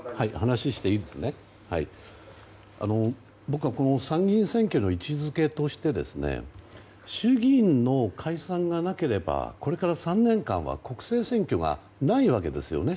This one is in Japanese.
僕は参議院選挙の位置づけとして衆議院の解散がなければこれから３年間は国政選挙がないわけですよね。